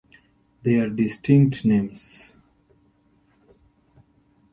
They are distinct names.